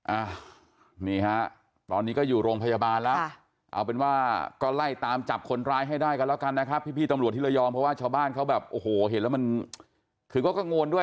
อ่านี่ฮะตอนนี้ก็อยู่โรงพยาบาลแล้วเอาเป็นว่าก็ไล่ตามจับคนร้ายให้ได้กันแล้วกันนะครับพี่พี่ตำรวจที่ระยองเพราะว่าชาวบ้านเขาแบบโอ้โหเห็นแล้วมันคือก็กังวลด้วย